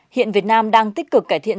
hiện việt nam đang tích cực cải thiện